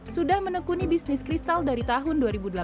sudah menekuni bisnis kristal dari tahun dua ribu delapan belas